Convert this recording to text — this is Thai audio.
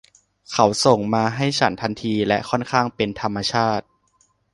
เขาส่งมาให้ฉันทันทีและค่อนข้างเป็นธรรมชาติ